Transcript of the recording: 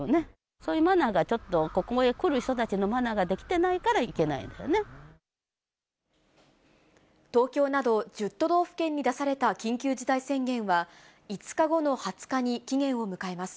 そういうマナーがちょっとここに来る人のマナーができてないから東京など１０都道府県に出された緊急事態宣言は、５日後の２０日に期限を迎えます。